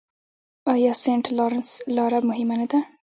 آیا سینټ لارنس لاره مهمه نه ده؟